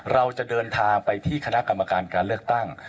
เราจะเดินทางไปที่คณะกรรมการการเลือกตั้ง